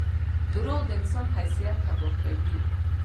• دروغ د انسان حیثیت تباه کوي.